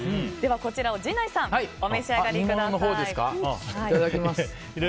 こちらを陣内さんお召し上がりください。